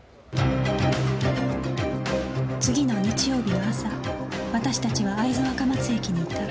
次の日曜日の朝私達は会津若松駅にいた